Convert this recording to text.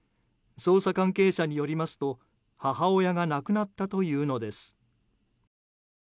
捜査関係者によりますと母親が亡くなったというのです。